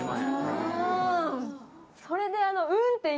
それで。